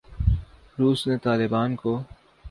روس نے طالبان کو